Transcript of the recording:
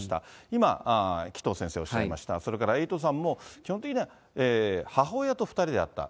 今、紀藤先生おっしゃいました、それからエイトさんも基本的には母親と２人であった。